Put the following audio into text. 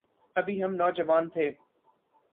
ابھی ہم نوجوان تھے۔